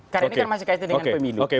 karena ini kan masih kaitan dengan pemilu